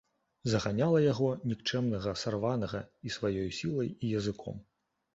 Заганяла яго, нікчэмнага, сарванага, і сваёю сілай і языком.